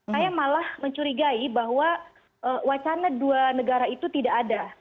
saya malah mencurigai bahwa wacana dua negara itu tidak ada